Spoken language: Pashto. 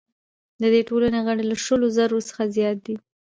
د دې ټولنې غړي له شلو زرو څخه زیات دي.